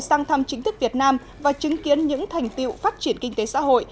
sang thăm chính thức việt nam và chứng kiến những thành tiệu phát triển kinh tế xã hội